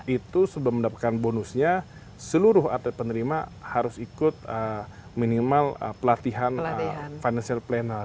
itu sebelum mendapatkan bonusnya seluruh atlet penerima harus ikut minimal pelatihan financial planner